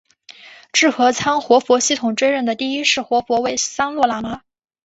智合仓活佛系统追认的第一世活佛为三罗喇嘛。